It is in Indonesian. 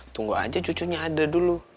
tunggu aja cucunya ada dulu